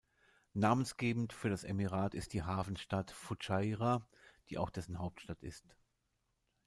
Namensgebend für das Emirat ist die Hafenstadt Fudschaira, die auch dessen Hauptstadt ist.